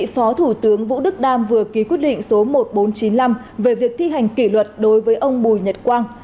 phó thủ tướng vũ đức đam vừa ký quyết định số một nghìn bốn trăm chín mươi năm về việc thi hành kỷ luật đối với ông bùi nhật quang